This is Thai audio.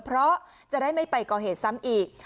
เพราะจะได้ไม่ไปก่อเหตุซ้ำอีก